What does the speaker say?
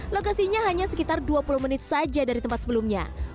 lokasinya hanya sekitar dua puluh menit saja dari tempat sebelumnya